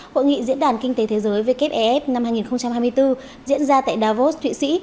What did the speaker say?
hội nghị diễn đàn kinh tế thế giới wfef năm hai nghìn hai mươi bốn diễn ra tại davos thụy sĩ